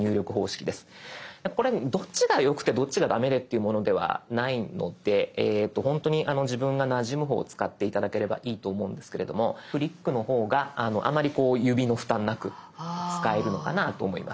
これどっちがよくてどっちが駄目でっていうものではないのでえっとほんとに自分がなじむ方を使って頂ければいいと思うんですけれどもフリックの方があまりこう指の負担なく使えるのかなと思います。